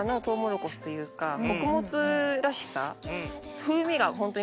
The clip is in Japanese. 穀物らしさ。